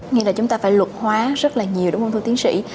nghe là chúng ta phải luật hóa rất là nhiều đúng không thưa tiến sĩ